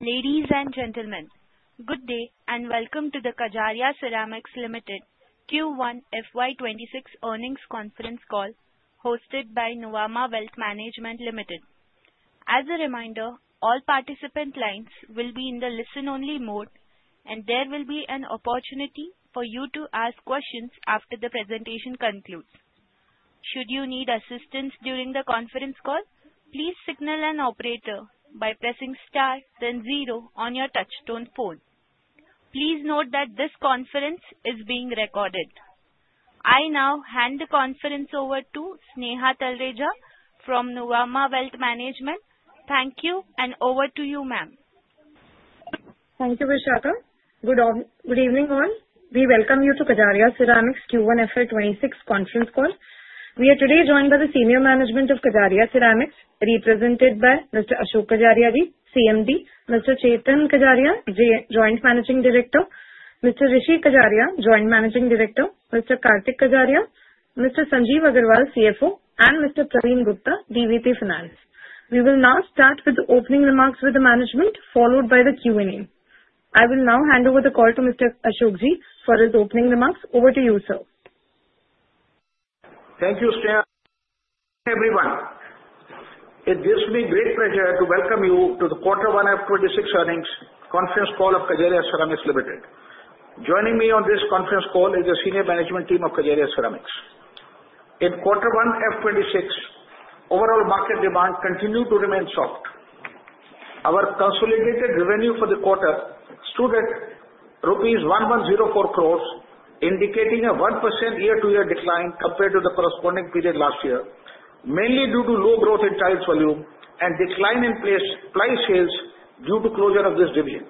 Ladies and gentlemen, good day and welcome to the Kajaria Ceramics Ltd Q1 FY26 earnings conference call hosted by Nuvama Wealth Management Ltd. As a reminder, all participant lines will be in the listen-only mode, and there will be an opportunity for you to ask questions after the presentation concludes. Should you need assistance during the conference call, please signal an operator by pressing star, then zero on your touch-tone phone. Please note that this conference is being recorded. I now hand the conference over to Sneha Talreja from Nuvama Wealth Management. Thank you, and over to you, ma'am. Thank you, Vishakha. Good evening, all. We welcome you to Kajaria Ceramics Q1 FY26 conference call. We are today joined by the senior management of Kajaria Ceramics, represented by Mr. Ashok Kajaria, CMD, Mr. Chetan Kajaria, Joint Managing Director, Mr. Rishi Kajaria, Joint Managing Director, Mr. Kartik Kajaria, Mr. Sanjeev Agarwal, CFO, and Mr. Praveen Gupta, DVP Finance. We will now start with the opening remarks with the management, followed by the Q&A. I will now hand over the call to Mr. Ashok for his opening remarks. Over to you, sir. Thank you, everyone. It gives me great pleasure to welcome you to the Q1 FY26 earnings conference call of Kajaria Ceramics Ltd. Joining me on this conference call is the senior management team of Kajaria Ceramics. In Q1 FY26, overall market demand continued to remain soft. Our consolidated revenue for the quarter stood at rupees 1,104 crore, indicating a 1% year-to-year decline compared to the corresponding period last year, mainly due to low growth in tile volume and decline in ply sales due to closure of this division.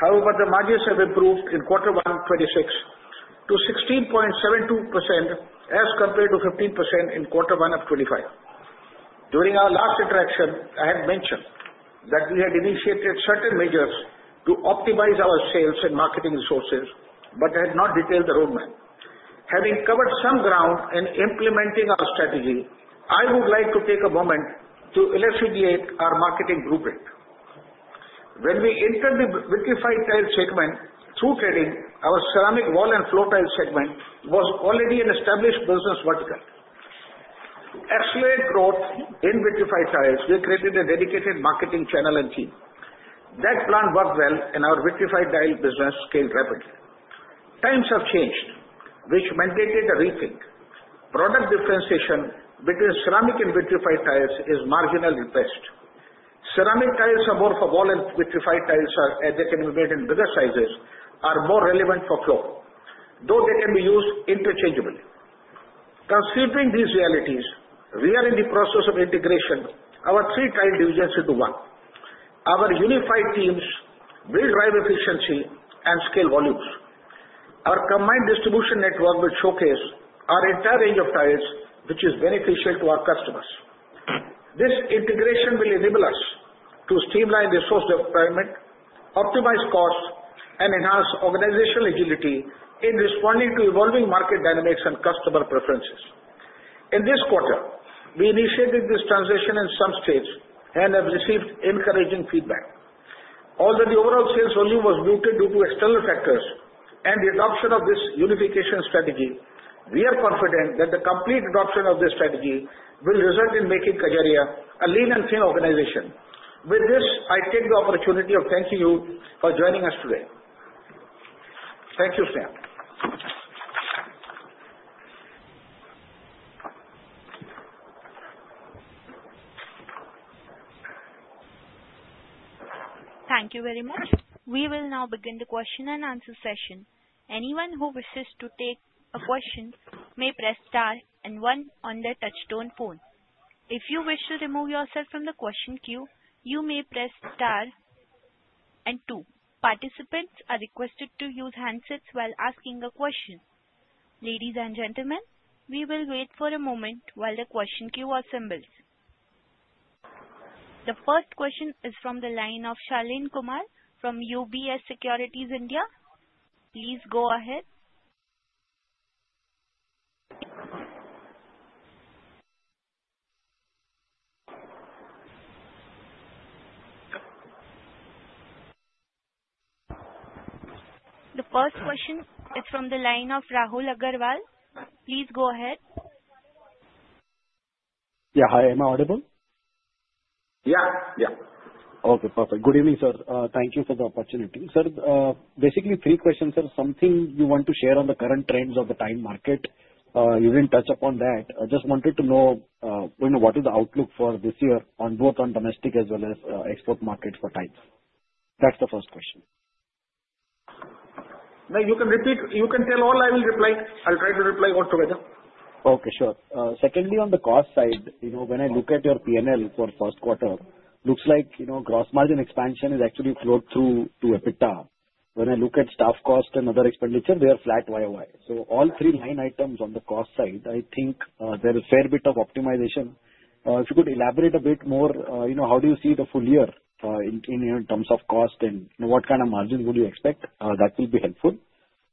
However, the margins have improved in Q1 FY26 to 16.72% as compared to 15% in Q1 FY25. During our last interaction, I had mentioned that we had initiated certain measures to optimize our sales and marketing resources, but I had not detailed the roadmap. Having covered some ground in implementing our strategy, I would like to take a moment to elucidate our marketing blueprint. When we entered the vitrified tile segment through trading, our ceramic wall and floor tile segment was already an established business vertical. To accelerate growth in vitrified tiles, we created a dedicated marketing channel and team. That plan worked well, and our vitrified tile business scaled rapidly. Times have changed, which mandated a rethink. Product differentiation between ceramic and vitrified tiles is marginally repressed. Ceramic tiles are more for wall and vitrified tiles that can be made in bigger sizes are more relevant for floor, though they can be used interchangeably. Considering these realities, we are in the process of integrating our three tile divisions into one. Our unified teams will drive efficiency and scale volumes. Our combined distribution network will showcase our entire range of tiles, which is beneficial to our customers. This integration will enable us to streamline resource deployment, optimize costs, and enhance organizational agility in responding to evolving market dynamics and customer preferences. In this quarter, we initiated this transition in some states and have received encouraging feedback. Although the overall sales volume was muted due to external factors and the adoption of this unification strategy, we are confident that the complete adoption of this strategy will result in making Kajaria a lean and clean organization. With this, I take the opportunity of thanking you for joining us today. Thank you, Sneha. Thank you very much. We will now begin the question-and-answer session. Anyone who wishes to take a question may press star and one on their touch-tone phone. If you wish to remove yourself from the question queue, you may press star and two. Participants are requested to use handsets while asking a question. Ladies and gentlemen, we will wait for a moment while the question queue assembles. The first question is from the line of Shaleen Kumar from UBS Securities India. Please go ahead. The first question is from the line of Rahul Agarwal. Please go ahead. Yeah, hi. Am I audible? Yeah, yeah. Okay, perfect. Good evening, sir. Thank you for the opportunity. Sir, basically, three questions. Sir, something you want to share on the current trends of the tile market? You didn't touch upon that. I just wanted to know what is the outlook for this year on both domestic as well as export market for tiles. That's the first question. No, you can repeat. You can tell all. I will reply. I'll try to reply all together. Okay, sure. Secondly, on the cost side, when I look at your P&L for the first quarter, it looks like gross margin expansion has actually flowed through to EBITDA. When I look at staff cost and other expenditure, they are flat YOY. So all three line items on the cost side, I think there is a fair bit of optimization. If you could elaborate a bit more, how do you see the full year in terms of cost and what kind of margins would you expect? That will be helpful.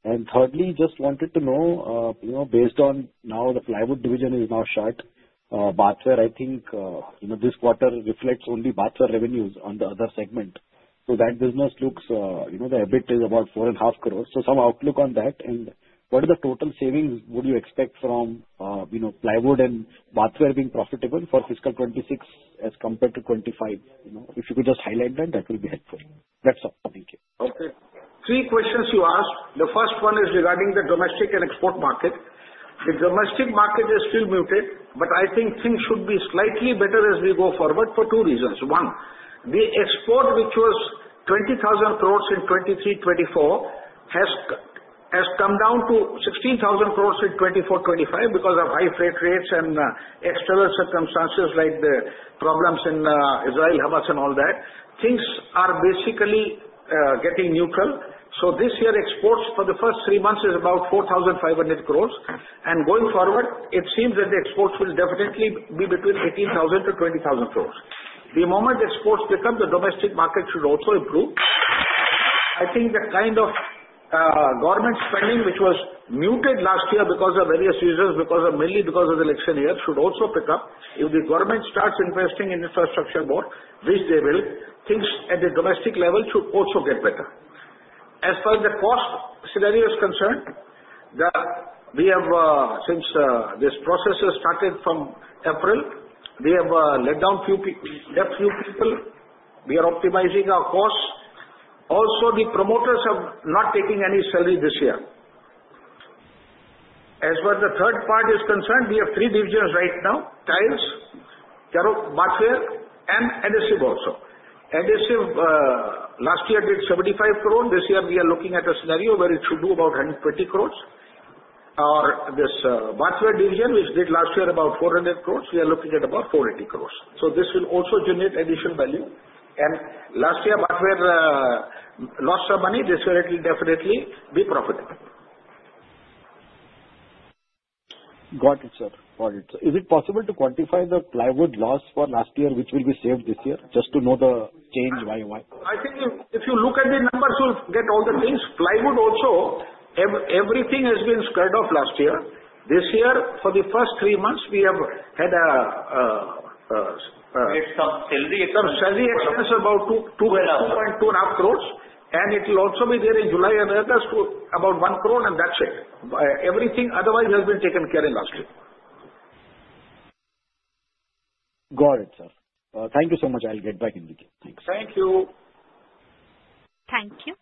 And thirdly, just wanted to know, based on now the plywood division is now shut, bathware, I think this quarter reflects only bathware revenues on the other segment. So that business looks the EBIT is about 4.5 crore. So some outlook on that. What are the total savings would you expect from plywood and bathware being profitable for fiscal 2026 as compared to 2025? If you could just highlight that, that will be helpful. That's all. Thank you. Okay. Three questions to ask. The first one is regarding the domestic and export market. The domestic market is still muted, but I think things should be slightly better as we go forward for two reasons. One, the export, which was 20,000 crores in 2023-24, has come down to 16,000 crores in 2024-25 because of high freight rates and external circumstances like the problems in Israel, Hamas, and all that. Things are basically getting neutral. So this year, exports for the first three months is about 4,500 crores. And going forward, it seems that the exports will definitely be between 18,000 to 20,000 crores. The moment exports pick up, the domestic market should also improve. I think the kind of government spending, which was muted last year because of various reasons, mainly because of the election year, should also pick up. If the government starts investing in infrastructure more, which they will, things at the domestic level should also get better. As far as the cost scenario is concerned, since this process has started from April, we have let down a few people. We are optimizing our costs. Also, the promoters are not taking any salary this year. As for the third part is concerned, we have three divisions right now: tiles, bathware, and adhesive also. Adhesive, last year, did 75 crores. This year, we are looking at a scenario where it should be about 120 crores. This bathware division, which did last year about 400 crores, we are looking at about 480 crores. So this will also generate additional value. And last year, bathware lost some money. This year it will definitely be profitable. Got it, sir. Got it. Is it possible to quantify the plywood loss for last year, which will be saved this year? Just to know the change YOY. I think if you look at the numbers, you'll get all the things. Plywood also, everything has been squared off last year. This year, for the first three months, we have had a. It's some salary expense. Some salary expense about 2.25 crores. And it will also be there in July and August to about 1 crore, and that's it. Everything otherwise has been taken care of last year. Got it, sir. Thank you so much. I'll get back in detail. Thanks. Thank you. Thank you.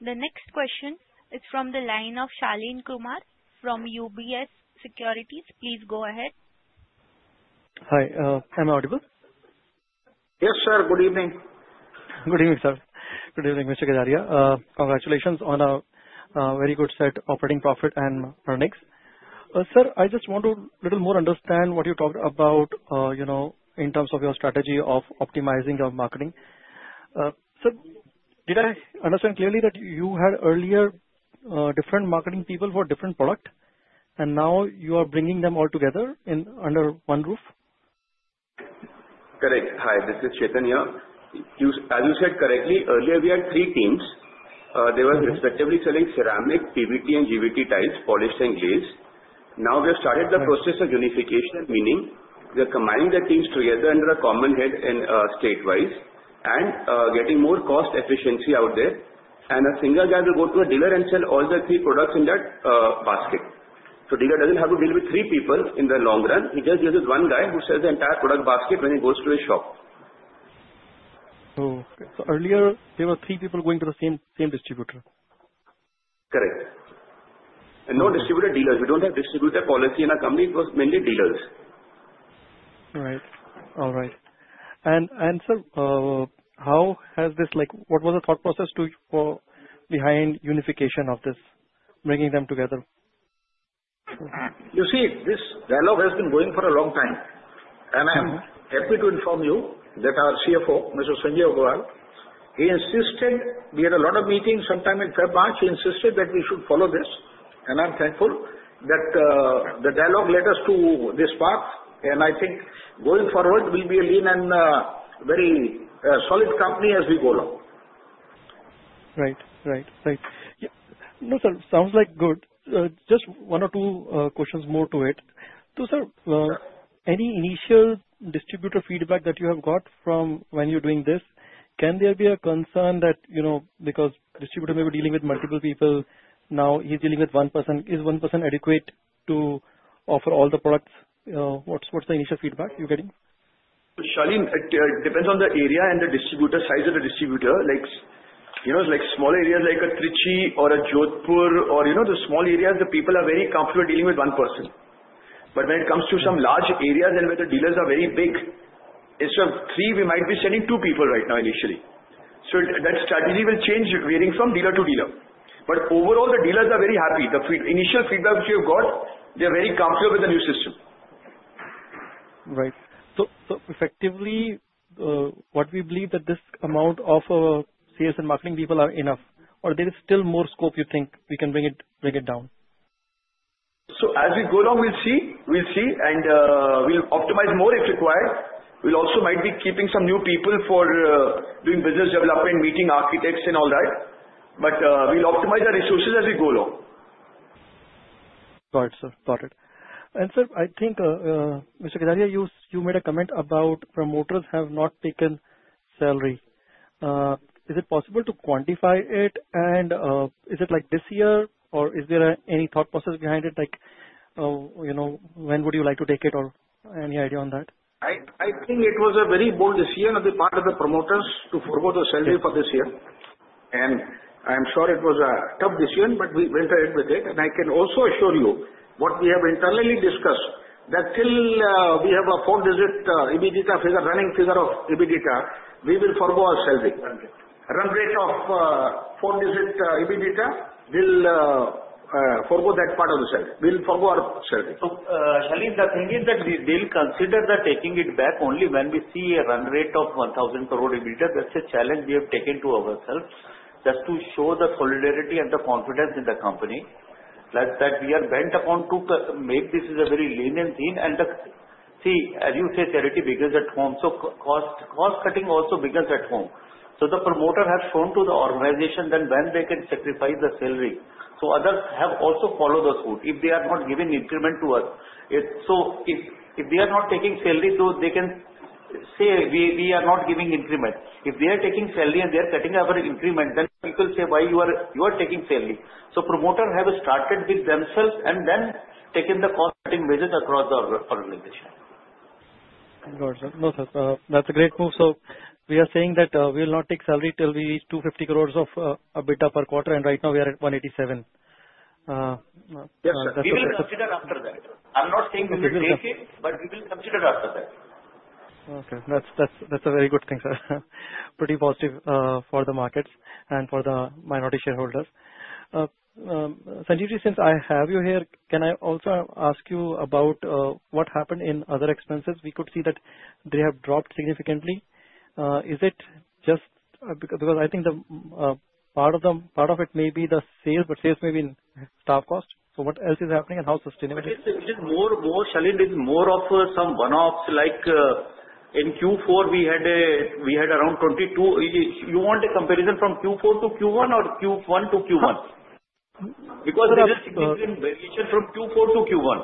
The next question is from the line of Shaleen Kumar from UBS Securities. Please go ahead. Hi. Am I audible? Yes, sir. Good evening. Good evening, sir. Good evening, Mr. Kajaria. Congratulations on a very good set of operating profit and earnings. Sir, I just want to understand a little more what you talked about in terms of your strategy of optimizing your marketing. Sir, did I understand clearly that you had earlier different marketing people for different products, and now you are bringing them all together under one roof? Correct. Hi. This is Chetan here. As you said correctly, earlier we had three teams. They were respectively selling ceramic, PVT, and GVT tiles, polished and glazed. Now we have started the process of unification, meaning we are combining the teams together under a common head statewise and getting more cost efficiency out there. And a single guy will go to a dealer and sell all the three products in that basket. So a dealer doesn't have to deal with three people in the long run. He just deals with one guy who sells the entire product basket when he goes to his shop. Earlier, there were three people going to the same distributor. Correct, and no distributor-dealers. We don't have distributor policy in our company. It was mainly dealers. Right. All right. And, sir, how has this? What was the thought process behind unification of this, bringing them together? You see, this dialogue has been going for a long time. And I'm happy to inform you that our CFO, Mr. Sanjeev Agarwal, he insisted we had a lot of meetings sometime in February. He insisted that we should follow this. And I'm thankful that the dialogue led us to this path. And I think going forward, we'll be a lean and very solid company as we go along. Right. No, sir, sounds good. Just one or two questions more to it. So sir, any initial distributor feedback that you have got from when you're doing this? Can there be a concern that because distributor may be dealing with multiple people, now he's dealing with one person? Is one person adequate to offer all the products? What's the initial feedback you're getting? Shaleen, it depends on the area and the distributor size of the distributor. Smaller areas like a Trichy or a Jodhpur or the small areas, the people are very comfortable dealing with one person. But when it comes to some large areas and where the dealers are very big, instead of three, we might be sending two people right now initially. So that strategy will change varying from dealer to dealer. But overall, the dealers are very happy. The initial feedback which we have got, they're very comfortable with the new system. Right. So effectively, what we believe that this amount of sales and marketing people are enough, or there is still more scope you think we can bring it down? So as we go along, we'll see. We'll see. And we'll optimize more if required. We'll also might be keeping some new people for doing business development, meeting architects and all that. But we'll optimize our resources as we go along. Got it, sir. Got it, and sir, I think Mr. Kajaria Ceramics, you made a comment about promoters have not taken salary. Is it possible to quantify it, and is it like this year, or is there any thought process behind it? When would you like to take it or any idea on that? I think it was a very bold decision on the part of the promoters to forgo the salary for this year, and I'm sure it was a tough decision, but we went ahead with it. I can also assure you what we have internally discussed that till we have a four-digit EBITDA figure, running figure of EBITDA, we will forgo our salary. Run rate of four-digit EBITDA, we'll forgo that part of the salary. We'll forgo our salary. Shaleen, the thing is that we'll consider taking it back only when we see a run rate of 1,000 crore EBITDA. That's a challenge we have taken to ourselves just to show the solidarity and the confidence in the company that we are bent upon to make this a very lean and clean, and see, as you say, charity begins at home. Cost-cutting also begins at home. So the promoter has shown to the organization that when they can sacrifice the salary. So others have also followed suit. If they are not giving increment to us, so if they are not taking salary, they can say we are not giving increment. If they are taking salary and they are cutting our increment, then people say, "Why you are taking salary?" So promoters have started with themselves and then taken the cost-cutting measures across the organization. Got it, sir. No, sir. That's a great move. So we are saying that we will not take salary till we reach 250 crores of EBITDA per quarter. And right now, we are at 187. Yes, sir. We will consider after that. I'm not saying we will take it, but we will consider after that. Okay. That's a very good thing, sir. Pretty positive for the markets and for the minority shareholders. Sanjeev ji, since I have you here, can I also ask you about what happened in other expenses? We could see that they have dropped significantly. Is it just because I think part of it may be the sales, but sales may be in staff cost? So what else is happening and how sustainable? It is more and more. Shaleen, it is more of some one-offs. Like in Q4, we had around 22. You want a comparison from Q4-Q1 or Q4-Q1? Because there is a significant variation from Q4-Q1.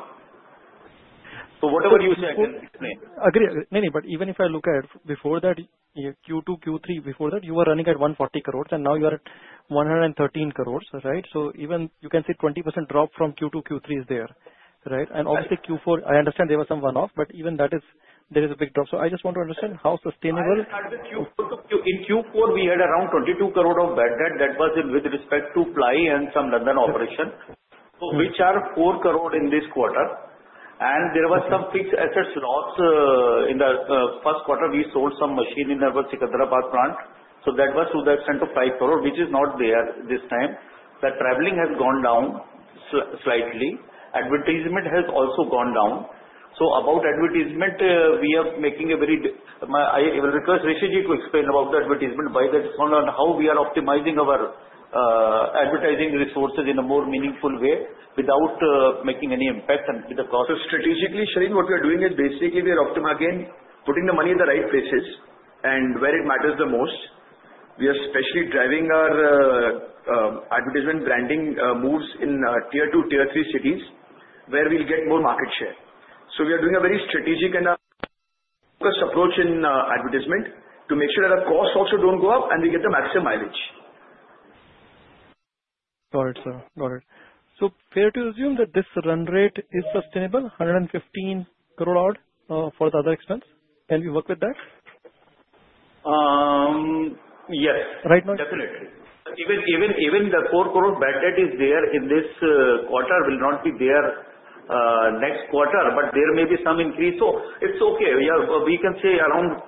So whatever you say, I can explain. Agree. No, no, but even if I look at before that, Q2, Q3, before that, you were running at 140 crores, and now you are at 113 crores, right? so even you can see 20% drop from Q2, Q3 is there, right? and obviously, Q4, I understand there were some one-offs, but even that there is a big drop, so I just want to understand how sustainable. In Q4, we had around 22 crore of bad debt. That was with respect to JV and some London operation, which are four crore in this quarter. There were some fixed assets lost in the first quarter. We sold some machine in our Sikandrabad plant. That was to the extent of five crore, which is not there this time. The traveling has gone down slightly. Advertisement has also gone down. About advertisement, we are making a very. I will request Rishi Ji to explain about the advertisement, why that's gone down, how we are optimizing our advertising resources in a more meaningful way without making any impact and with the cost. Strategically, Shaleen, what we are doing is basically we are again putting the money at the right places and where it matters the most. We are especially driving our advertisement branding moves in Tier 2, Tier 3 cities where we'll get more market share, so we are doing a very strategic and focused approach in advertisement to make sure that the cost also don't go up and we get the maximum mileage. Got it, sir. Got it. So fair to assume that this run rate is sustainable, 115 crore odd for the other expense? Can we work with that? Yes. Right now? Definitely. Even the 4 crore bad debt is there in this quarter will not be there next quarter, but there may be some increase. So it's okay. We can say around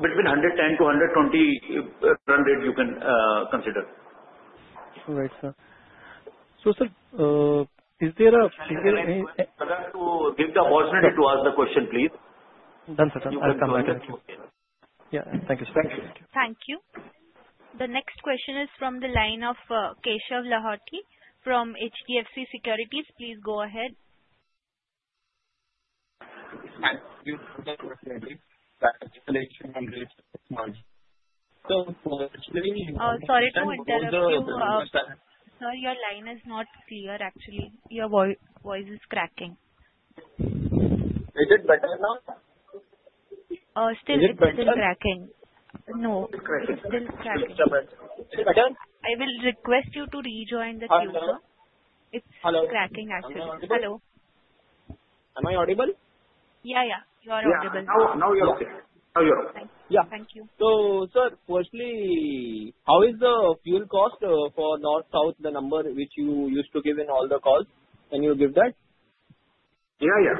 between 110-120 run rate you can consider. Right, sir. So sir, is there a? Sir, I would like to give the opportunity to ask the question, please. Done, sir. Done. You can come back. Thank you. Yeah. Thank you, sir. Thank you. Thank you. The next question is from the line of Keshav Lahoti from HDFC Securities. Please go ahead. Hi. Can you hear me? Oh, sorry to interrupt. Sir, your line is not clear, actually. Your voice is cracking. Is it better now? Still cracking. Is it better? No. It's still cracking. Is it better? I will request you to rejoin the queue, sir. Hello. It's cracking, actually. Hello. Am I audible? Yeah, yeah. You are audible. Yeah. Now you're okay. Now you're okay. Yeah. Thank you. So sir, firstly, how is the fuel cost for north-south, the number which you used to give in all the calls? Can you give that? Yeah, yeah.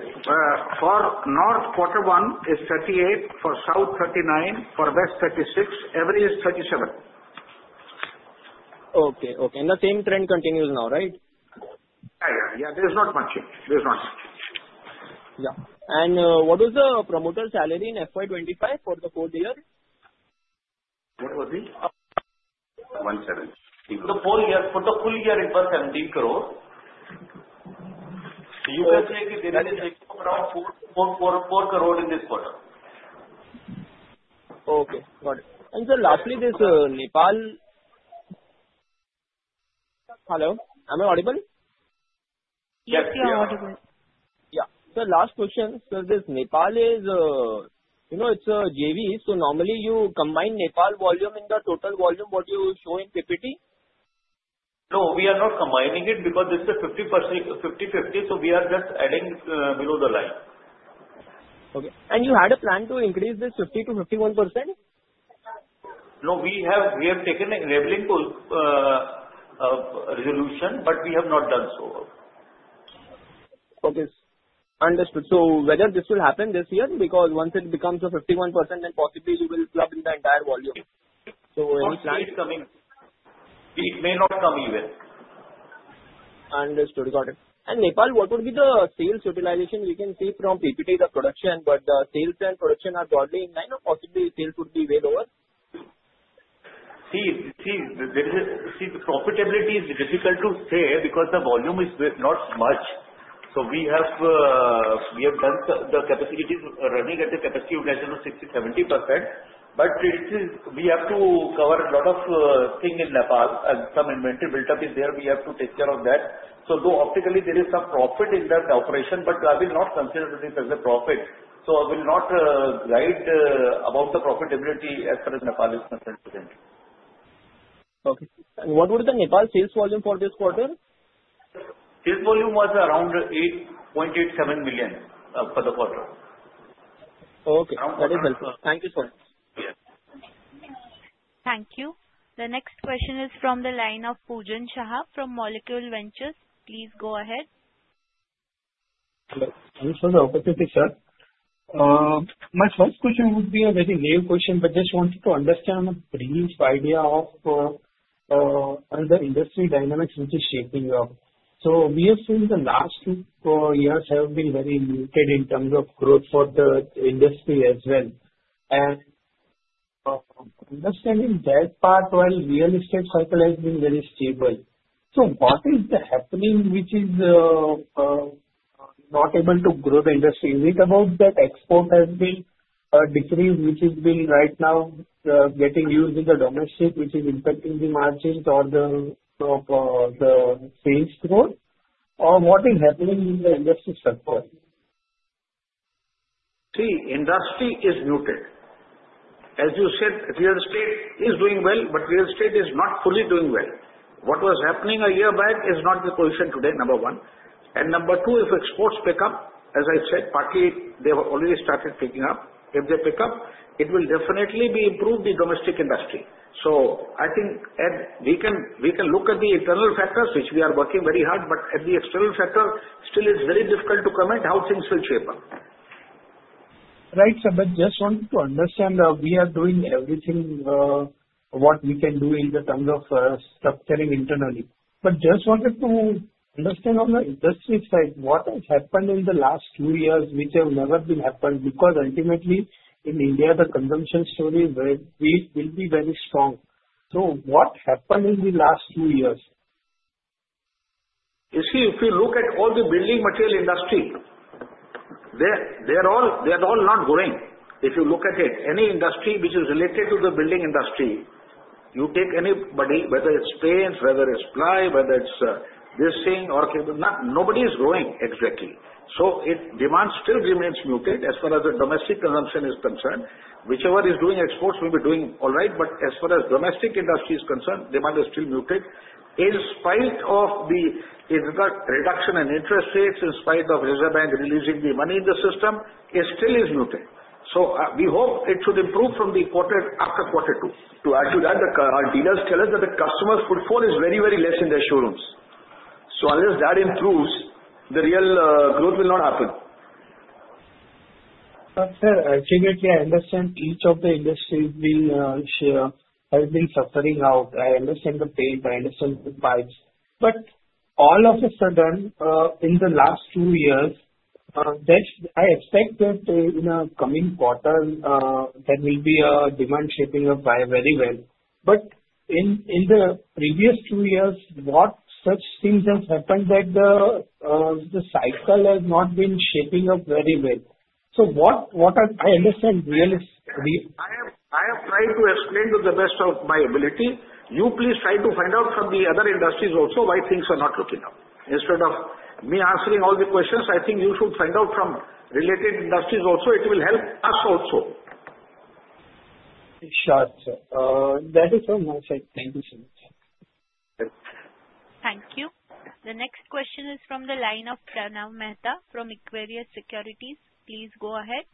For north, quarter one is 38. For south, 39. For west, 36. Average is 37. Okay, okay. And the same trend continues now, right? Yeah, yeah. Yeah. There's not much. Yeah. And what was the promoter salary in FY 25 for the fourth year? What was it? 170. For the full year, it was 17 crore. You can say there is around four crore in this quarter. Okay. Got it. And sir, lastly, this Nepal? Hello? Am I audible? Yes, sir. Yeah. So last question, sir. This Nepal, it's a JV. So normally, you combine Nepal volume in the total volume. What do you show in PPT? No, we are not combining it because this is 50-50. So we are just adding below the line. Okay. And you had a plan to increase this 50% to 51%? No, we have taken an enabling resolution, but we have not done so. Okay. Understood. So whether this will happen this year? Because once it becomes a 51%, then possibly you will plug in the entire volume. So any plan? It may not come even. Understood. Got it, and Nepal, what would be the sales utilization? We can see from PPT the production, but the sales and production are probably in line or. Possibly, sales would be way lower. The profitability is difficult to say because the volume is not much. So we have the capacity running at a capacity utilization of 60%-70%. But we have to cover a lot of things in Nepal. Some inventory built up is there. We have to take care of that. So though optically, there is some profit in that operation, but I will not consider this as a profit. So I will not guide about the profitability as far as Nepal is concerned today. Okay. And what would be the Nepal sales volume for this quarter? Sales volume was around 8.87 million for the quarter. Okay. That is helpful. Thank you so much. Thank you. The next question is from the line of Pujan Shah from Molecule Ventures. Please go ahead. Hello. Thanks for the opportunity, sir. My first question would be a very naive question, but just wanted to understand the brief idea of the industry dynamics which is shaping up, so we have seen the last two years have been very muted in terms of growth for the industry as well, and understanding that part, while real estate cycle has been very stable, so what is happening which is not able to grow the industry? Is it about that export has been decreased, which is being right now getting used in the domestic, which is impacting the margins or the sales growth? Or what is happening in the industry sector? See, industry is muted. As you said, real estate is doing well, but real estate is not fully doing well. What was happening a year back is not the position today, number one, and number two, if exports pick up, as I said, partly they have already started picking up. If they pick up, it will definitely improve the domestic industry, so I think we can look at the internal factors, which we are working very hard, but at the external factor, still it's very difficult to comment how things will shape up. Right, sir, but just wanted to understand we are doing everything what we can do in terms of structuring internally, but just wanted to understand on the industry side, what has happened in the last two years which have never been happened? Because ultimately, in India, the consumption story will be very strong, so what happened in the last two years? You see, if you look at all the building material industry, they are all not growing. If you look at it, any industry which is related to the building industry, you take anybody, whether it's paints, whether it's ply, whether it's this thing, or nobody is growing exactly. So demand still remains muted as far as the domestic consumption is concerned. Whichever is doing exports will be doing all right, but as far as domestic industry is concerned, demand is still muted. In spite of the reduction in interest rates, in spite of Reserve Bank releasing the money in the system, it still is muted. So we hope it should improve from the quarter after quarter two. To add to that, our dealers tell us that the customer's footfall is very, very less in their showrooms. So unless that improves, the real growth will not happen. Sir, ultimately, I understand each of the industries has been suffering out. I understand the pain. I understand the spikes. But all of a sudden, in the last two years, I expect that in a coming quarter, there will be a demand shaping up very well. But in the previous two years, what such things have happened that the cycle has not been shaping up very well? So what I understand. I have tried to explain to the best of my ability. You please try to find out from the other industries also why things are not looking up. Instead of me answering all the questions, I think you should find out from related industries also. It will help us also. Sure, sir. That is all my side. Thank you so much. Thank you. The next question is from the line of Pranav Mehta from Equirus Securities. Please go ahead.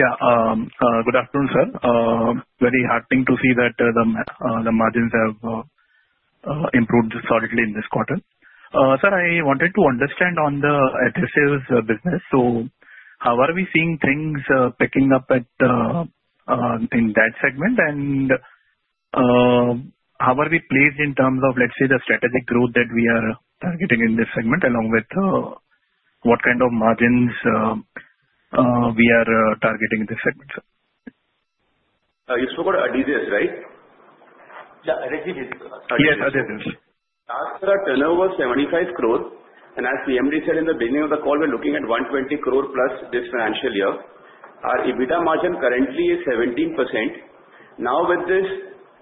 Yeah. Good afternoon, sir. Very heartening to see that the margins have improved solidly in this quarter. Sir, I wanted to understand on the adhesives business. So how are we seeing things picking up in that segment? And how are we placed in terms of, let's say, the strategic growth that we are targeting in this segment, along with what kind of margins we are targeting in this segment? You spoke about adhesives, right? Yeah, adhesives. Yes, adhesives. Last year, our turnover was INR 75 crore. As JMD said in the beginning of the call, we're looking at 120 crore plus this financial year. Our EBITDA margin currently is 17%. Now, with this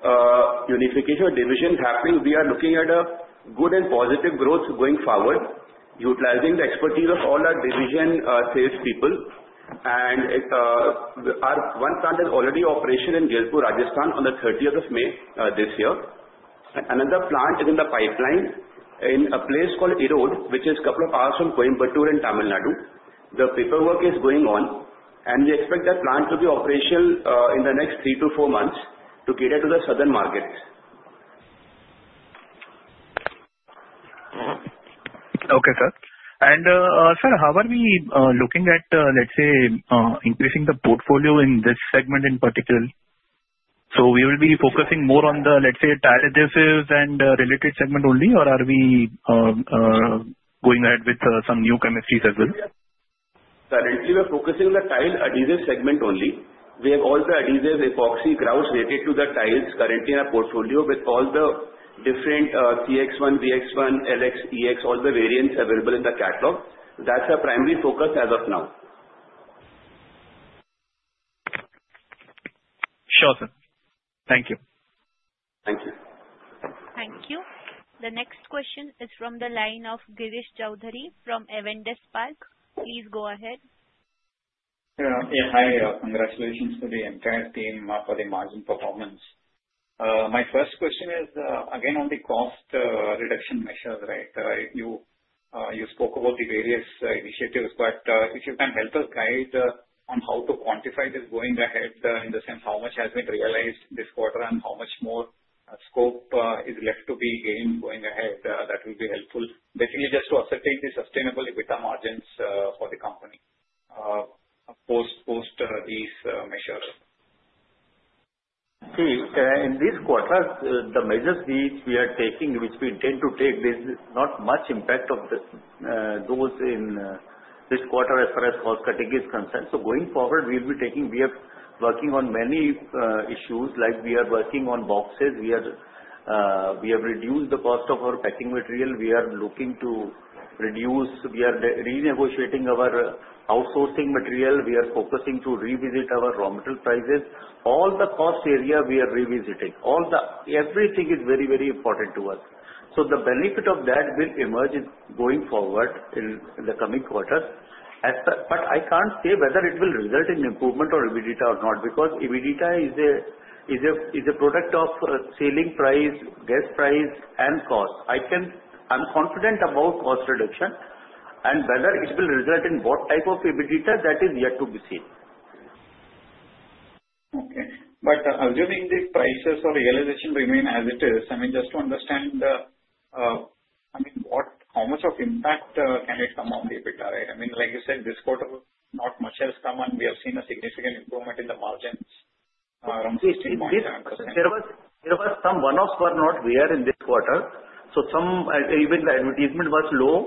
adhesives division happening, we are looking at a good and positive growth going forward, utilizing the expertise of all our division salespeople. One plant is already in operation in Jaipur, Rajasthan, on the 30th of May this year. Another plant is in the pipeline in a place called Erode, which is a couple of hours from Coimbatore, in Tamil Nadu. The paperwork is going on. We expect that plant to be operational in the next three to four months to cater to the southern markets. Okay, sir. And sir, how are we looking at, let's say, increasing the portfolio in this segment in particular? So we will be focusing more on the, let's say, tile adhesives and related segment only, or are we going ahead with some new chemistries as well? Currently, we are focusing on the tile adhesive segment only. We have all the adhesives, epoxy, grouts related to the tiles currently in our portfolio with all the different CX1, VX1, LX, EX, all the variants available in the catalog. That's our primary focus as of now. Sure, sir. Thank you. Thank you. Thank you. The next question is from the line of Girish Choudhary from Avendus Spark. Please go ahead. Yeah. Hi. Congratulations to the entire team for the margin performance. My first question is, again, on the cost reduction measures, right? You spoke about the various initiatives, but if you can help us guide on how to quantify this going ahead in the sense how much has been realized this quarter and how much more scope is left to be gained going ahead, that will be helpful. Basically, just to ascertain the sustainable EBITDA margins for the company post these measures. See, in this quarter, the measures which we are taking, which we intend to take, there's not much impact of those in this quarter as far as cost cutting is concerned. So going forward, we'll be taking we are working on many issues like we are working on boxes. We have reduced the cost of our packing material. We are looking to reduce. We are renegotiating our outsourcing material. We are focusing to revisit our raw material prices. All the cost area, we are revisiting. Everything is very, very important to us. So the benefit of that will emerge going forward in the coming quarters. But I can't say whether it will result in improvement or EBITDA or not because EBITDA is a product of selling price, gas price, and cost. I'm confident about cost reduction. Whether it will result in what type of EBITDA, that is yet to be seen. Okay. But assuming these prices or realization remain as it is, I mean, just to understand, I mean, how much of impact can it come on the EBITDA, right? I mean, like you said, this quarter, not much has come on. We have seen a significant improvement in the margins around 16.7%. There were some one-offs that were not there in this quarter. So even the advertisement was low.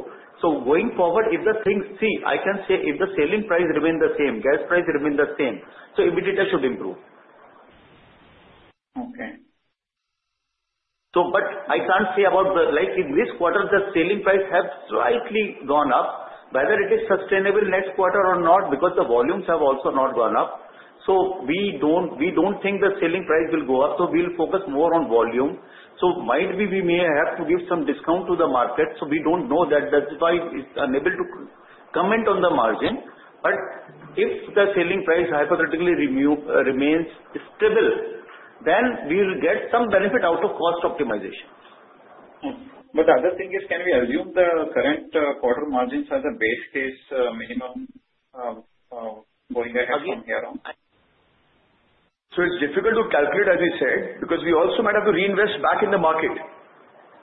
So going forward, if we see, I can say if the selling price remained the same, gas price remained the same, so EBITDA should improve. Okay. But I can't say about the like in this quarter, the selling price has slightly gone up. Whether it is sustainable next quarter or not, because the volumes have also not gone up. So we don't think the selling price will go up. So we'll focus more on volume. So might be we may have to give some discount to the market. So we don't know that. That's why it's unable to comment on the margin. But if the selling price hypothetically remains stable, then we'll get some benefit out of cost optimization. The other thing is, can we assume the current quarter margins are the base case minimum going ahead from here on? So it's difficult to calculate, as you said, because we also might have to reinvest back in the market.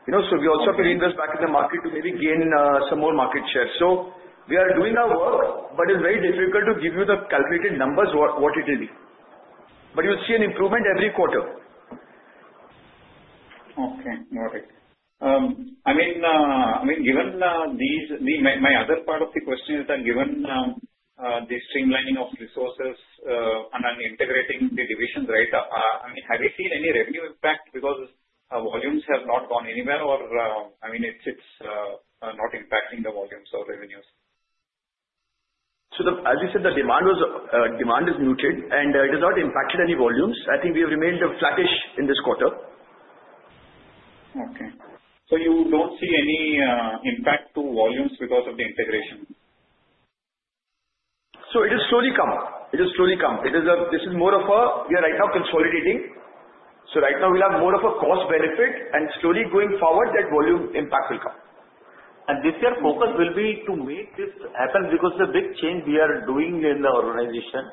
So we also have to reinvest back in the market to maybe gain some more market share. So we are doing our work, but it's very difficult to give you the calculated numbers what it will be. But you'll see an improvement every quarter. Okay. Got it. I mean, given these my other part of the question is that given the streamlining of resources and integrating the divisions, right, I mean, have you seen any revenue impact because volumes have not gone anywhere or, I mean, it's not impacting the volumes or revenues? So as you said, the demand is muted, and it has not impacted any volumes. I think we have remained flat-ish in this quarter. Okay. So you don't see any impact to volumes because of the integration? So it has slowly come. This is more of a we are right now consolidating, so right now, we'll have more of a cost benefit, and slowly going forward, that volume impact will come, and this year, focus will be to make this happen because the big change we are doing in the organization,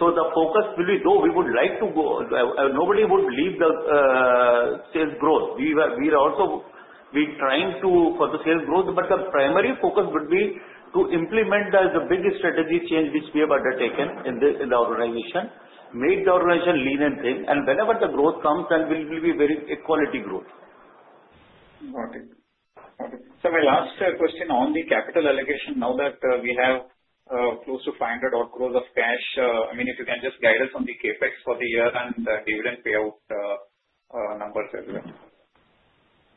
so the focus will be though we would like to go nobody would leave the sales growth. We are also trying to for the sales growth, but the primary focus would be to implement the biggest strategy change which we have undertaken in the organization, make the organization lean and thin, and whenever the growth comes, then it will be very equality growth. Got it. Got it. So my last question on the capital allocation, now that we have close to 500-odd crores of cash, I mean, if you can just guide us on the CapEx for the year and the dividend payout numbers as well?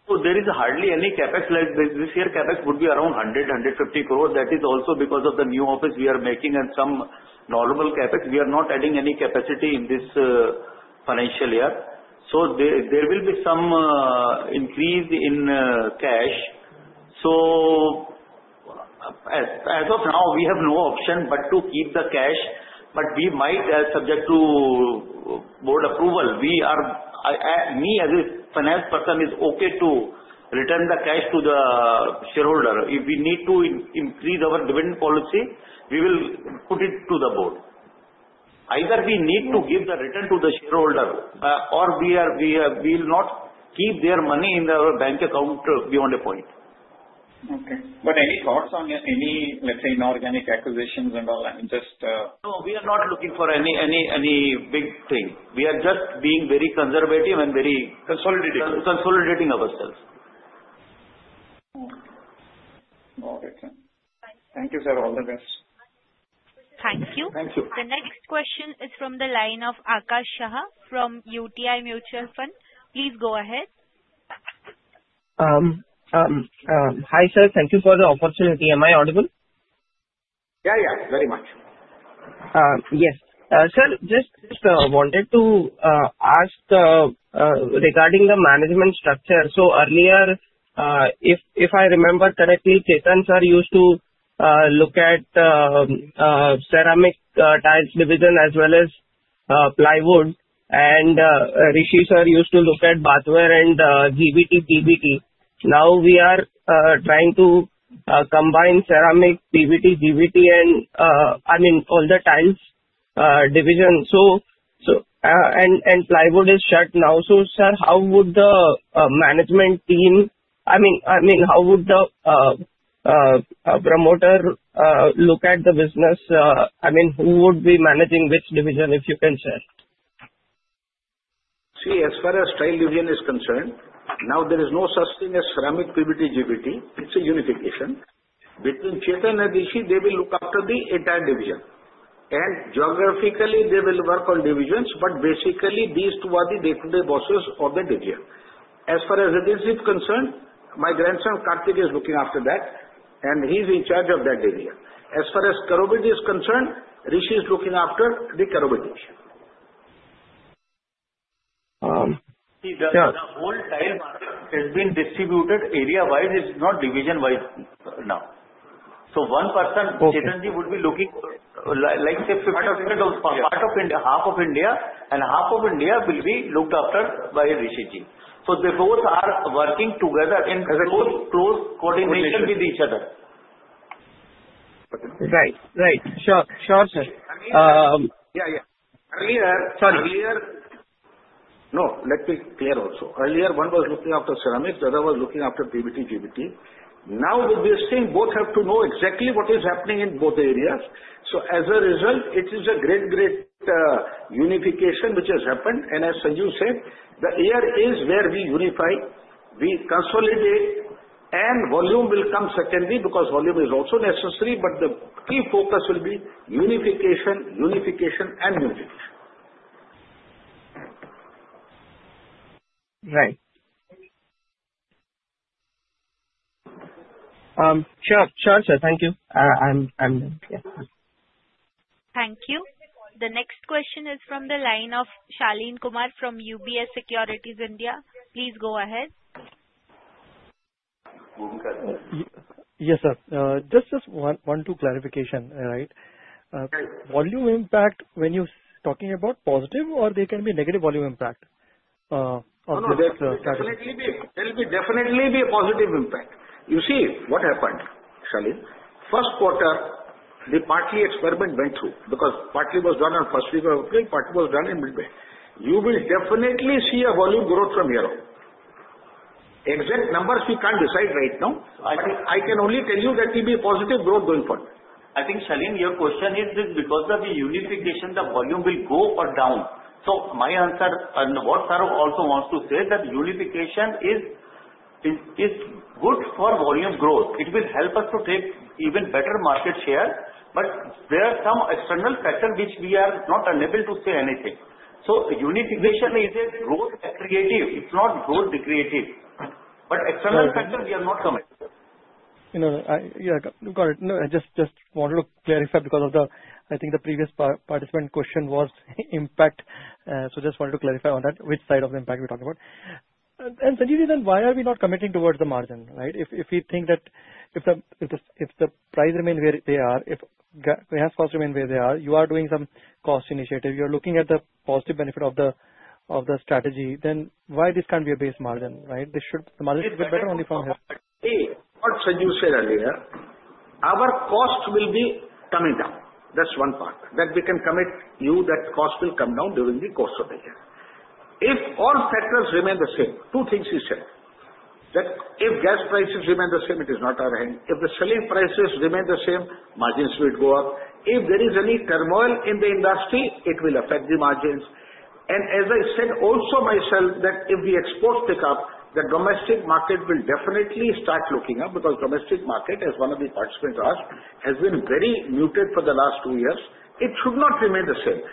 So there is hardly any CapEx. This year, CapEx would be around 100-150 crores. That is also because of the new office we are making and some normal CapEx. We are not adding any capacity in this financial year. So there will be some increase in cash. So as of now, we have no option but to keep the cash. But we might, subject to board approval, me as a finance person is okay to return the cash to the shareholder. If we need to increase our dividend policy, we will put it to the board. Either we need to give the return to the shareholder, or we will not keep their money in our bank account beyond a point. Okay, but any thoughts on any, let's say, inorganic acquisitions and all? I mean, just. No, we are not looking for any big thing. We are just being very conservative and very. Consolidating. Consolidating ourselves. Got it. Thank you, sir. All the best. Thank you. Thank you. The next question is from the line of Akash Shah from UTI Mutual Fund. Please go ahead. Hi, sir. Thank you for the opportunity. Am I audible? Yeah, yeah. Very much. Yes, sir, just wanted to ask regarding the management structure. So earlier, if I remember correctly, Chetan sir used to look at ceramic tiles division as well as plywood. And Rishi sir used to look at Bathware and GVT, PVT. Now we are trying to combine ceramic, PVT, GVT, and I mean, all the tiles division. And plywood is shut now. So sir, how would the management team I mean, how would the promoter look at the business? I mean, who would be managing which division, if you can share? See, as far as tile division is concerned, now there is no such thing as ceramic, PVT, GVT. It's a unification. Between Chetan and Rishi, they will look after the entire division. And geographically, they will work on divisions. But basically, these two are the day-to-day bosses of the division. As far as adhesives concerned, my grandson Karthik is looking after that. And he's in charge of that area. As far as bathware is concerned, Rishi is looking after the bathware division. See, the whole tile has been distributed area-wise. It's not division-wise now. So one person, Chetan, would be looking like say 50% of half of India, and half of India will be looked after by Rishi ji. So the both are working together in close coordination with each other. Right. Right. Sure. Sure, sir. Yeah, yeah. Earlier. Sorry. Earlier, no. Let me clear also. Earlier, one was looking after ceramics. The other was looking after PVT, GVT. Now with this thing, both have to know exactly what is happening in both areas. So as a result, it is a great, great unification which has happened. And as you said, the year is where we unify, we consolidate, and volume will come secondly because volume is also necessary. But the key focus will be unification, unification, and unification. Right. Sure. Sure, sir. Thank you. I'm yeah. Thank you. The next question is from the line of Shaleen Kumar from UBS Securities India. Please go ahead. Yes, sir. Just one or two clarifications, right? Volume impact, when you're talking about positive, or there can be negative volume impact of this catalog? No, there will definitely be a positive impact. You see what happened, Shaleen. First quarter, the partly experiment went through because partly was done on first week of April, partly was done in mid-May. You will definitely see a volume growth from here on. Exact numbers we can't decide right now. But I can only tell you that it will be positive growth going forward. I think, Shaleen, your question is because of the unification, the volume will go or down. So my answer, and what sir also wants to say, that unification is good for volume growth. It will help us to take even better market share. But there are some external factors which we are not unable to say anything. So unification is a growth aggregative. It's not growth degradative. But external factors, we are not committed. No, no. Yeah. Got it. No, I just wanted to clarify because of the, I think, the previous participant question was impact. So just wanted to clarify on that, which side of the impact we're talking about. And then why are we not committing towards the margin, right? If we think that if the price remains where they are, if grass roots remain where they are, you are doing some cost initiative. You are looking at the positive benefit of the strategy. Then why this can't be a base margin, right? The margin should get better only from here. See, what you said earlier, our cost will be coming down. That's one part. That we can commit you that cost will come down during the course of the year. If all factors remain the same, two things you said. That if gas prices remain the same, it is not our hand. If the selling prices remain the same, margins will go up. If there is any turmoil in the industry, it will affect the margins. And as I said also myself, that if the exports pick up, the domestic market will definitely start looking up because domestic market, as one of the participants asked, has been very muted for the last two years. It should not remain the same.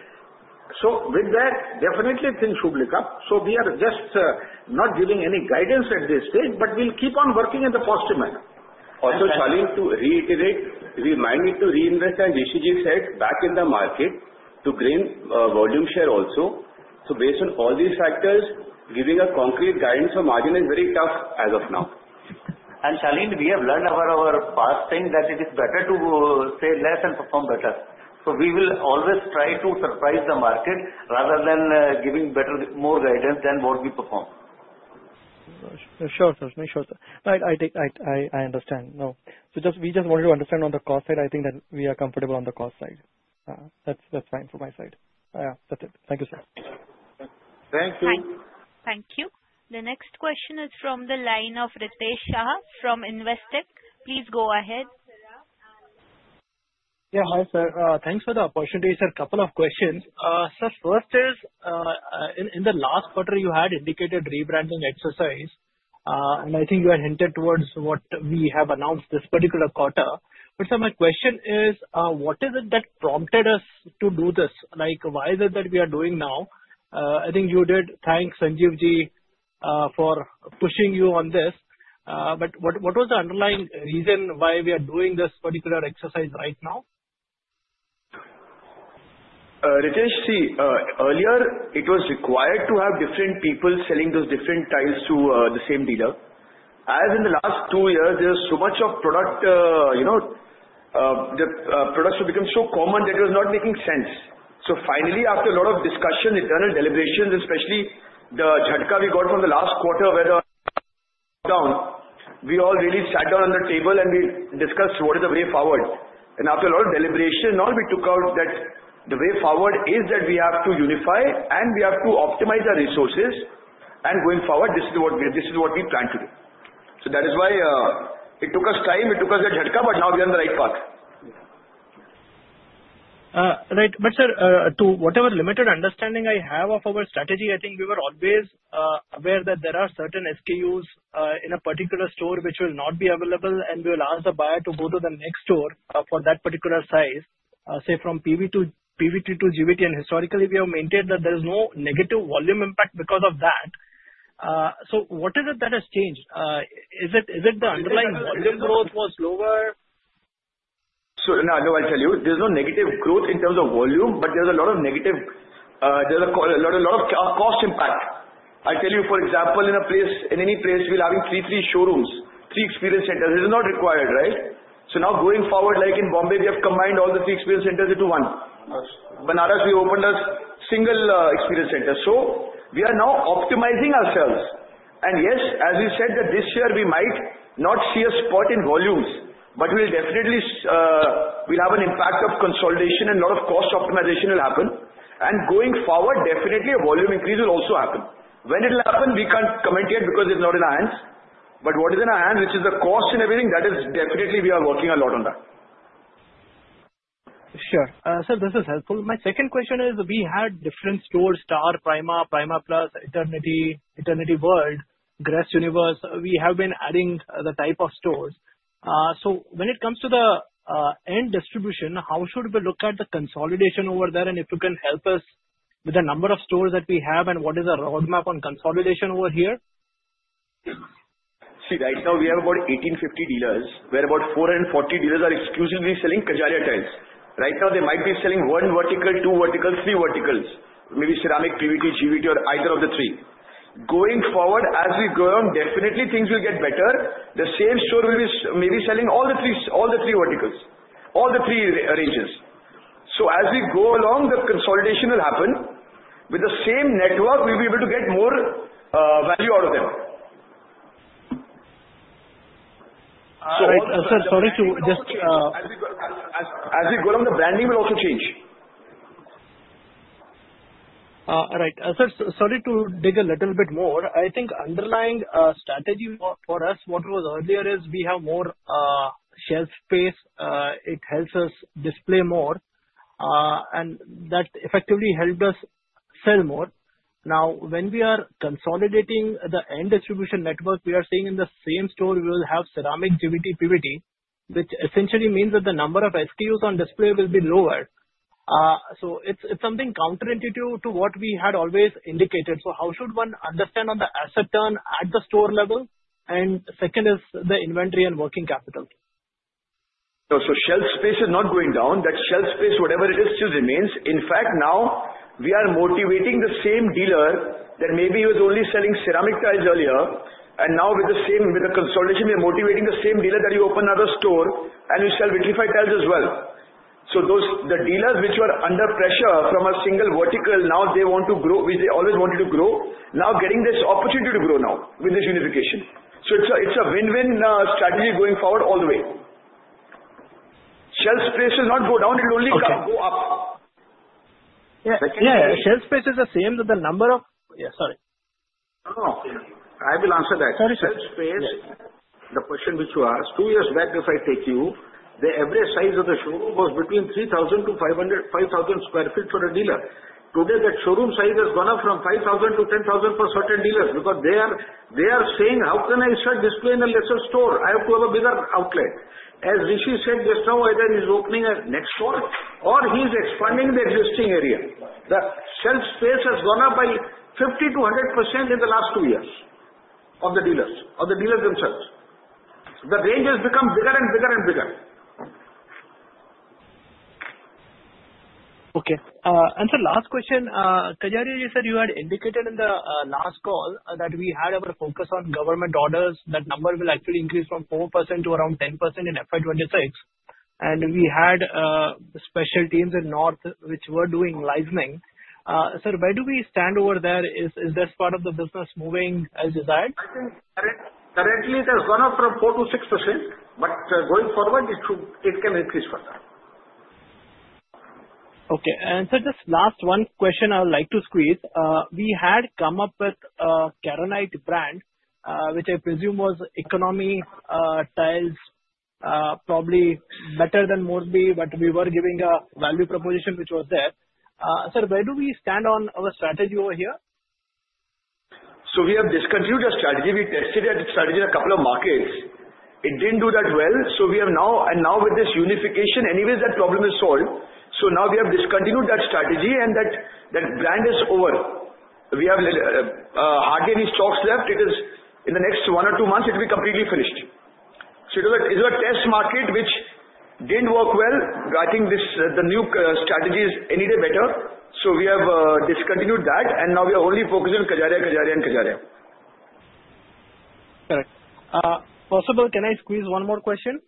So with that, definitely things should look up. So we are just not giving any guidance at this stage, but we'll keep on working in the positive manner. Also, Shaleen, to reiterate, remind me to reinvest as Rishi ji said, back in the market to gain volume share also. So based on all these factors, giving a concrete guidance for margin is very tough as of now. Shaleen, we have learned over our past thing that it is better to say less and perform better. So we will always try to surprise the market rather than giving more guidance than what we perform. Sure, sir. Make sure. Right. I understand. No. So we just wanted to understand on the cost side. I think that we are comfortable on the cost side. That's fine from my side. Yeah. That's it. Thank you, sir. Thank you. Thank you. The next question is from the line of Ritesh Shah from Investec. Please go ahead. Yeah. Hi, sir. Thanks for the opportunity, sir. A couple of questions. Sir, first is, in the last quarter, you had indicated rebranding exercise. And I think you had hinted towards what we have announced this particular quarter. But sir, my question is, what is it that prompted us to do this? Why is it that we are doing now? I think you did thank Sanjeev ji for pushing you on this. But what was the underlying reason why we are doing this particular exercise right now? Ritesh, see, earlier, it was required to have different people selling those different tiles to the same dealer. As in the last two years, there was so much of product. The products have become so common that it was not making sense. So finally, after a lot of discussion, internal deliberations, especially the Jhatka we got from the last quarter, the downturn, we all really sat down on the table and we discussed what is the way forward. And after a lot of deliberation and all, we took out that the way forward is that we have to unify and we have to optimize our resources. And going forward, this is what we plan to do. So that is why it took us time. It took us a Jhatka, but now we are on the right path. Right. But sir, to whatever limited understanding I have of our strategy, I think we were always aware that there are certain SKUs in a particular store which will not be available, and we will ask the buyer to go to the next store for that particular size, say from PVT to GVT. And historically, we have maintained that there is no negative volume impact because of that. So what is it that has changed? Is it the underlying volume growth was lower? So no, I'll tell you. There's no negative growth in terms of volume, but there's a lot of cost impact. I'll tell you, for example, in any place, we're having three showrooms, three experience centers. It is not required, right? So now going forward, like in Bombay, we have combined all the three experience centers into one. Banaras, we opened a single experience center. So we are now optimizing ourselves. And yes, as you said, that this year, we might not see a spot in volumes, but we'll definitely have an impact of consolidation and a lot of cost optimization will happen. And going forward, definitely, a volume increase will also happen. When it will happen, we can't comment yet because it's not in our hands. But what is in our hands, which is the cost and everything, that is definitely we are working a lot on that. Sure. Sir, this is helpful. My second question is, we had different stores: Star, Prima, Prima Plus, Eternity, Eternity World, Gres Universe. We have been adding the type of stores. So when it comes to the end distribution, how should we look at the consolidation over there? And if you can help us with the number of stores that we have and what is the roadmap on consolidation over here? See, right now, we have about 1,850 dealers, where about 440 dealers are exclusively selling Kajaria tiles. Right now, they might be selling one vertical, two verticals, three verticals, maybe ceramic, PVT, GVT, or either of the three. Going forward, as we go on, definitely, things will get better. The same store will be maybe selling all the three verticals, all the three ranges. So as we go along, the consolidation will happen. With the same network, we'll be able to get more value out of them. So sir, sorry to just. As we go along, the branding will also change. Right. Sir, sorry to dig a little bit more. I think underlying strategy for us, what was earlier is we have more shelf space. It helps us display more. And that effectively helped us sell more. Now, when we are consolidating the end distribution network, we are seeing in the same store, we will have ceramic, GVT, PVT, which essentially means that the number of SKUs on display will be lower. So it's something counterintuitive to what we had always indicated. So how should one understand on the asset turn at the store level? And second is the inventory and working capital. So shelf space is not going down. That shelf space, whatever it is, still remains. In fact, now we are motivating the same dealer that maybe was only selling ceramic tiles earlier. And now with the same consolidation, we are motivating the same dealer that you open another store and you sell vitrified tiles as well. So the dealers which were under pressure from a single vertical, now they want to grow, which they always wanted to grow, now getting this opportunity to grow now with this unification. So it's a win-win strategy going forward all the way. Shelf space will not go down. It will only go up. Yeah. Shelf space is the same as the number of yeah. Sorry. I will answer that. Sorry, sir. Shelf space, the question which you asked two years back. If I take you, the average size of the showroom was between 3,000-5,000 sq ft for a dealer. Today, that showroom size has gone up from 5,000-10,000 for certain dealers because they are saying, "How can I start displaying a lesser store? I have to have a bigger outlet." As Rishi said just now, either he's opening a next store or he's expanding the existing area. The shelf space has gone up by 50%-100% in the last two years of the dealers, of the dealers themselves. The range has become bigger and bigger and bigger. Okay and sir, last question. Kajaria ji, sir, you had indicated in the last call that we had our focus on government orders. That number will actually increase from 4% to around 10% in FY26. And we had special teams in North which were doing licensing. Sir, where do we stand over there? Is this part of the business moving as desired? Currently, it has gone up from 4% to 6%. But going forward, it can increase further. Okay. And sir, just last one question I would like to squeeze. We had come up with a Karonite brand, which I presume was economy tiles, probably better than Morbi, but we were giving a value proposition which was there. Sir, where do we stand on our strategy over here? So we have discontinued our strategy. We tested our strategy in a couple of markets. It didn't do that well. So we have now and now with this unification, anyways, that problem is solved. So now we have discontinued that strategy and that brand is over. We have hardly any stocks left. In the next one or two months, it will be completely finished. So it was a test market which didn't work well. I think the new strategy is any day better. So we have discontinued that. And now we are only focusing on Kajaria, Kajaria, and Kajaria. Correct. Possibly, can I squeeze one more question?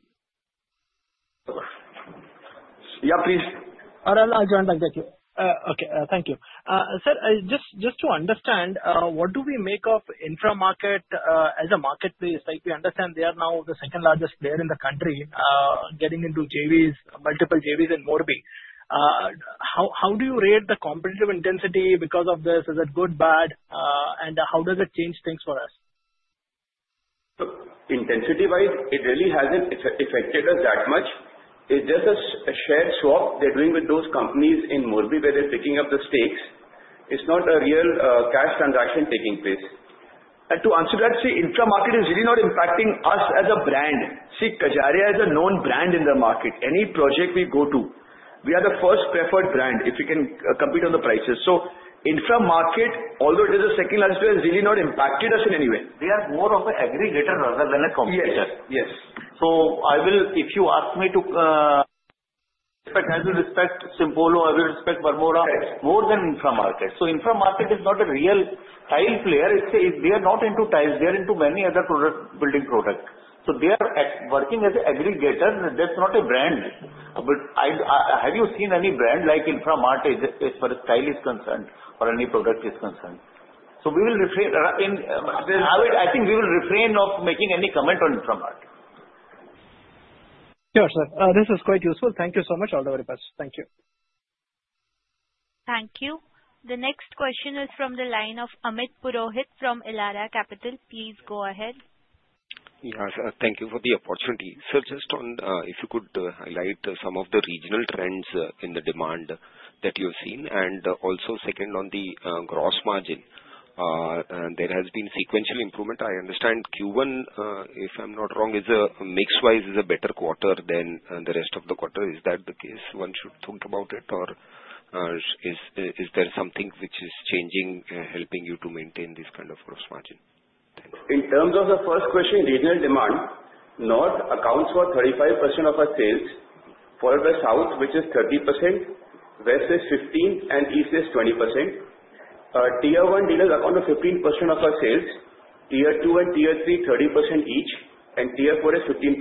Yeah, please. Or I'll join back at you. Okay. Thank you. Sir, just to understand, what do we make of Infra.Market as a marketplace? We understand they are now the second largest player in the country, getting into JVs, multiple JVs in Morbi. How do you rate the competitive intensity because of this? Is it good, bad? And how does it change things for us? Intensity-wise, it really hasn't affected us that much. It's just a shared swap they're doing with those companies in Morbi where they're picking up the stakes. It's not a real cash transaction taking place, and to answer that, see, Infra.Market is really not impacting us as a brand. See, Kajaria is a known brand in the market. Any project we go to, we are the first preferred brand if you can compete on the prices. So Infra.Market, although it is the second largest player, has really not impacted us in any way. They are more of an aggregator rather than a competitor. Yes. Yes. So if you ask me to respect Simpolo, I will respect Varmora more than Infra.Market. So Infra.Market is not a real tile player. They are not into tiles. They are into many other building products. So they are working as an aggregator. That's not a brand. But have you seen any brand like Infra.Market as far as tile is concerned or any product is concerned? So we will refrain. I think we will refrain from making any comment on Infra.Market. Sure, sir. This is quite useful. Thank you so much, all the very best. Thank you. Thank you. The next question is from the line of Amit Purohit from Elara Capital. Please go ahead. Yeah. Thank you for the opportunity. Sir, just on if you could highlight some of the regional trends in the demand that you have seen. And also, second, on the gross margin, there has been sequential improvement. I understand Q1, if I'm not wrong, mix-wise, is a better quarter than the rest of the quarter. Is that the case? One should think about it? Or is there something which is changing, helping you to maintain this kind of gross margin? In terms of the first question, regional demand, north accounts for 35% of our sales, followed by south, which is 30%, west is 15%, and east is 20%. Tier 1 dealers account for 15% of our sales. Tier 2 and Tier 3, 30% each, and Tier 4 is 15%.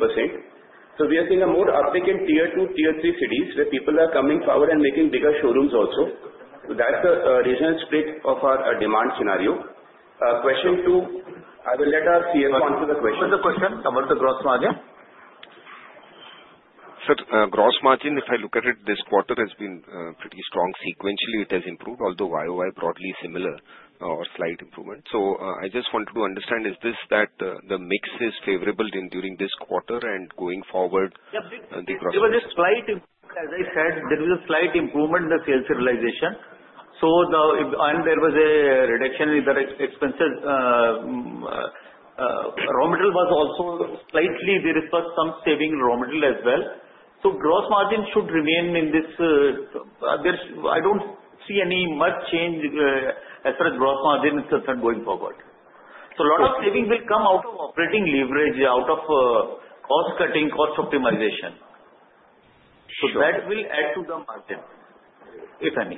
So we are seeing a more uptick in Tier 2, Tier 3 cities where people are coming forward and making bigger showrooms also. So that's the regional split of our demand scenario. Question two, I will let our CFO answer the question. What was the question? How about the gross margin? Sir, gross margin, if I look at it, this quarter has been pretty strong. Sequentially, it has improved, although YOY broadly similar or slight improvement. So I just wanted to understand, is this that the mix is favorable during this quarter and going forward? Yeah. It was a slight, as I said, there was a slight improvement in the sales realization. And there was a reduction in the expenses. Raw material was also slightly. There is some saving in raw material as well. So gross margin should remain in this. I don't see any much change as far as gross margin is concerned going forward. So a lot of saving will come out of operating leverage, out of cost cutting, cost optimization. So that will add to the margin, if any.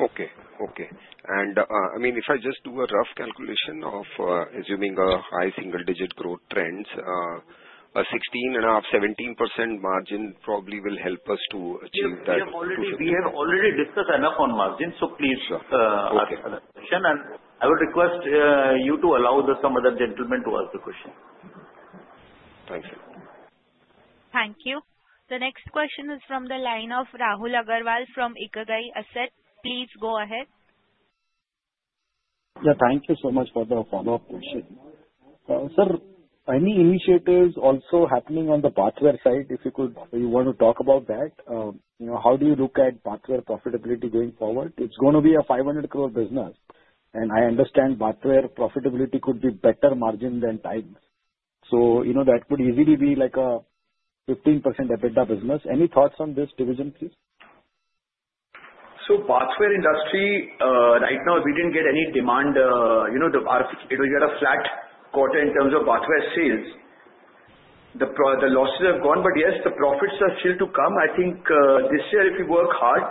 Okay. I mean, if I just do a rough calculation of assuming high single-digit growth trends, a 16.5-17% margin probably will help us to achieve that. We have already discussed enough on margin. So please ask other questions. And I will request you to allow some other gentleman to ask the question. Thanks, sir. Thank you. The next question is from the line of Rahul Agarwal from Ikigai Asset. Please go ahead. Yeah. Thank you so much for the follow-up question. Sir, any initiatives also happening on the Bathware side, if you want to talk about that? How do you look at Bathware profitability going forward? It's going to be a 500 crore business. And I understand Bathware profitability could be better margin than tiles. So that could easily be like a 15% EBITDA business. Any thoughts on this division, please? So, Bathware industry, right now, we didn't get any demand. It was a flat quarter in terms of Bathware sales. The losses have gone. But yes, the profits are still to come. I think this year, if we work hard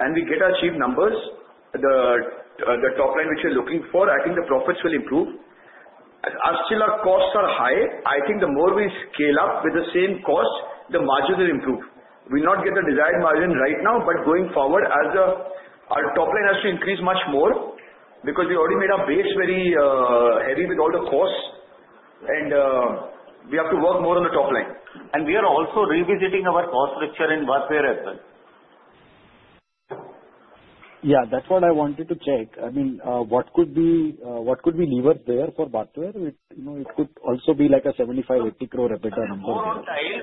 and we get our achieved numbers, the top line which we're looking for, I think the profits will improve. Until our costs are high, I think the more we scale up with the same cost, the margins will improve. We'll not get the desired margin right now, but going forward, our top line has to increase much more because we already made our base very heavy with all the costs. And we have to work more on the top line. We are also revisiting our cost structure in Bathware as well. Yeah. That's what I wanted to check. I mean, what could be levers there for Bathware? It could also be like an 75-80 crore EBITDA number.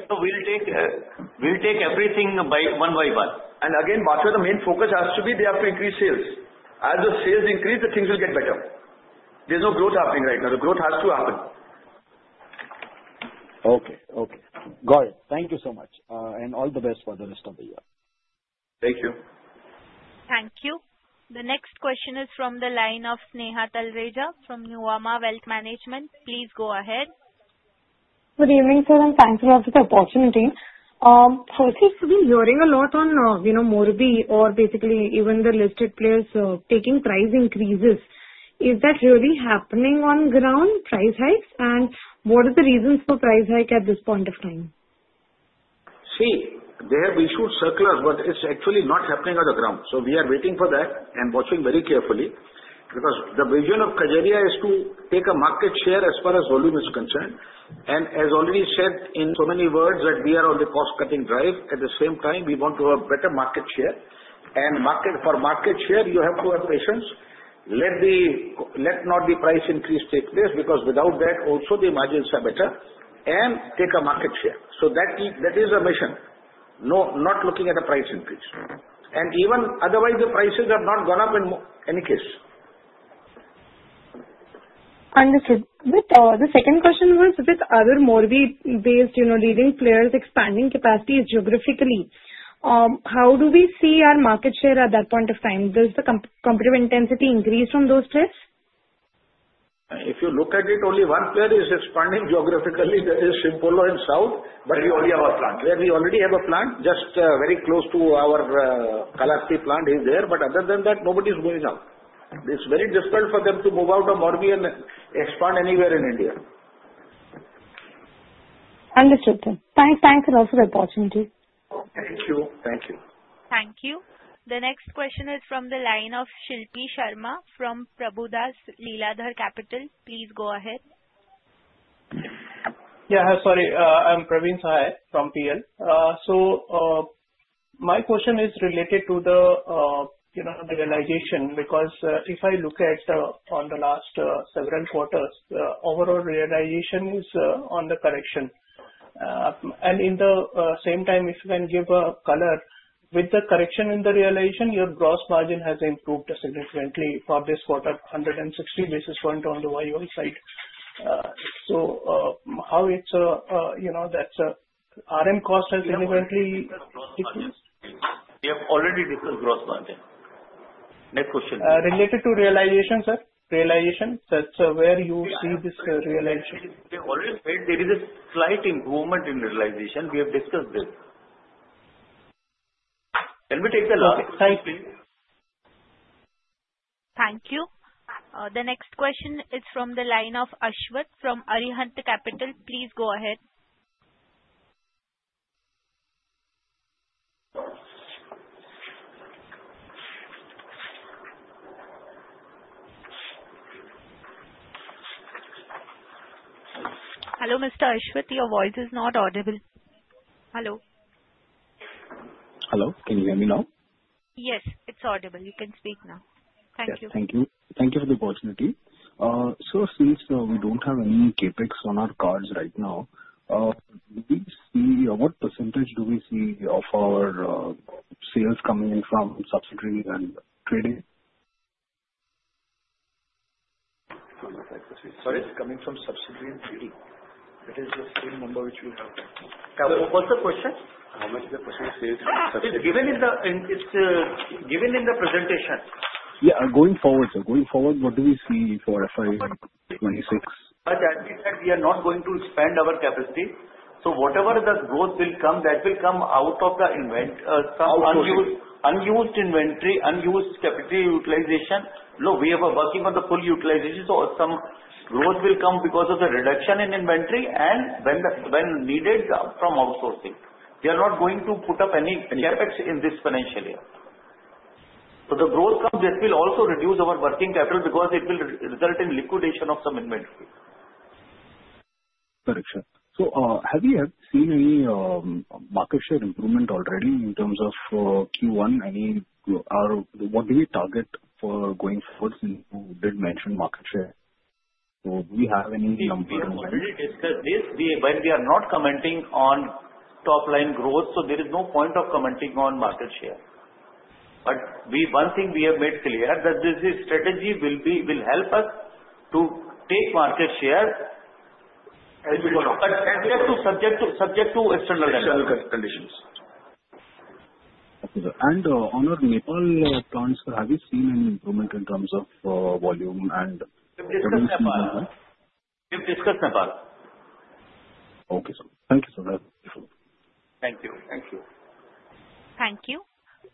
So we'll take everything one by one, and again, Bathware, the main focus has to be they have to increase sales. As the sales increase, the things will get better. There's no growth happening right now. The growth has to happen. Okay. Okay. Got it. Thank you so much, and all the best for the rest of the year. Thank you. Thank you. The next question is from the line of Sneha Talreja from Nuvama Wealth Management. Please go ahead. Good evening, sir. And thanks for the opportunity. Firstly, we've been hearing a lot on Morbi or basically even the listed players taking price increases. Is that really happening on ground, price hikes? And what are the reasons for price hike at this point of time? See, they have issued surplus, but it's actually not happening on the ground. So we are waiting for that and watching very carefully because the vision of Kajaria is to take a market share as far as volume is concerned, and as already said in so many words that we are on the cost-cutting drive. At the same time, we want to have better market share, and for market share, you have to have patience. Let not the price increase take place because without that, also, the margins are better, and take a market share, so that is our mission, not looking at a price increase, and even otherwise, the prices have not gone up in any case. Understood. The second question was with other Morbi-based leading players expanding capacities geographically. How do we see our market share at that point of time? Does the competitive intensity increase from those players? If you look at it, only one player is expanding geographically. That is Simpolo and South, but we only have a plant. We already have a plant just very close to our Kajaria plant is there. But other than that, nobody is moving out. It's very difficult for them to move out of Morbi and expand anywhere in India. Understood, sir. Thanks for the opportunity. Thank you. Thank you. Thank you. The next question is from the line of Shilpa Sharma from Prabhudas Lilladher Capital. Please go ahead. Yeah. Sorry. I'm Praveen Sahay from PL. So my question is related to the realization because if I look at the last several quarters, the overall realization is on the correction. And at the same time, if you can give a color, with the correction in the realization, your gross margin has improved significantly for this quarter, 160 basis points on the YoY side. So how is it that RM cost has significantly decreased? We have already discussed gross margin. Next question. Related to realization, sir? Realization? That's where you see this realization. We have already said there is a slight improvement in realization. We have discussed this. Can we take the last question? Slightly. Thank you. The next question is from the line of Ashwath from Arihant Capital. Please go ahead. Hello, Mr. Ashwath. Your voice is not audible. Hello. Hello. Can you hear me now? Yes. It's audible. You can speak now. Thank you. Thank you. Thank you for the opportunity. So since we don't have any CapEx on our cards right now, what percentage do we see of our sales coming in from subsidiary and trading? Sorry. It's coming from subsidiary and trading. That is the same number which we have right now. What's the question? How much is the question? It's given in the presentation. Yeah. Going forward, sir, going forward, what do we see for FY 2026? As I said, we are not going to expand our capacity. So whatever the growth will come, that will come out of the unused inventory, unused capacity utilization. Look, we are working on the full utilization. So some growth will come because of the reduction in inventory and when needed from outsourcing. We are not going to put up any CapEx in this financial year. So the growth comes, that will also reduce our working capital because it will result in liquidation of some inventory. Got it, sir. So have we seen any market share improvement already in terms of Q1? What do we target for going forward? You did mention market share. So do we have any improvement? We already discussed this. We are not commenting on top-line growth. So there is no point of commenting on market share. But one thing we have made clear that this strategy will help us to take market share subject to external conditions. Okay, and on our Nepal plants, have you seen any improvement in terms of volume and? We've discussed Nepal. Okay. Thank you, sir. Thank you. Thank you. Thank you.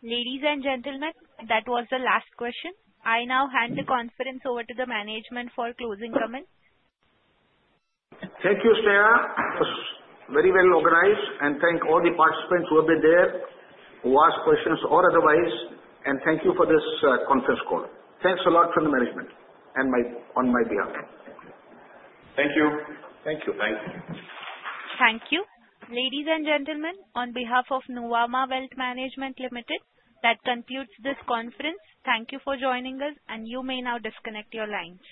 Ladies and gentlemen, that was the last question. I now hand the conference over to the management for closing comments. Thank you, Sneha. It was very well organized, and thank all the participants who have been there, who asked questions or otherwise, and thank you for this conference call. Thanks a lot from the management on my behalf. Thank you. Thank you. Thank you. Thank you. Ladies and gentlemen, on behalf of Nuvama Wealth Management Limited, that concludes this conference. Thank you for joining us. And you may now disconnect your lines.